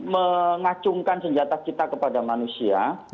mengacungkan senjata kita kepada manusia